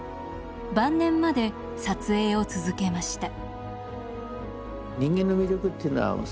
晩年まで撮影を続けました。